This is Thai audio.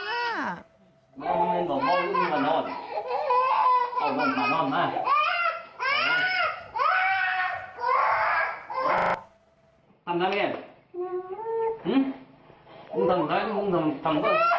สงสัยเด็กเหตุการณ์นี้เกิดขึ้น๙มกราคมที่ผ่านมา